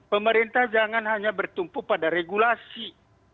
pemerintah jangan hanya bertumpu pada regulasi